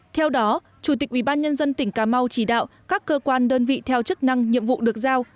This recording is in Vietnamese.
theo đó chủ tịch ubnd tỉnh cà mau chỉ đạo các cơ quan đơn vị theo chức năng nhiệm vụ được giao